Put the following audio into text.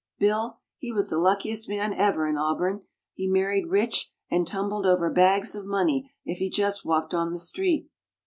"Bill, he was the luckiest man ever in Auburn he married rich and tumbled over bags of money if he just walked on the street.